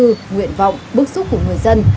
được nguyện vọng bức xúc của người dân